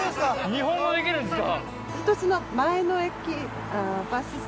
日本語できるんですか！